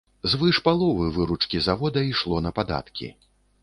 Звыш паловы выручкі завода ішло на падаткі.